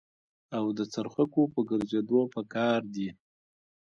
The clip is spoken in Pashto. او د څرخکو په ګرځېدو په قار دي.